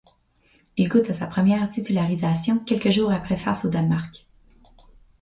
Il goûte à sa première titularisation quelques jours après face au Danemark.